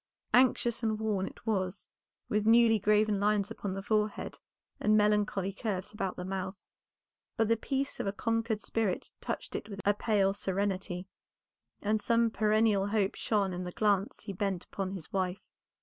Anxious and worn it was, with newly graven lines upon the forehead and melancholy curves about the mouth, but the peace of a conquered spirit touched it with a pale serenity, and some perennial hope shone in the glance he bent upon his wife.